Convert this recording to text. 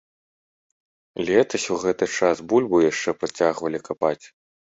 Летась у гэты час бульбу яшчэ працягвалі капаць.